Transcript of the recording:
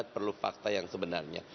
perlu fakta yang sebenarnya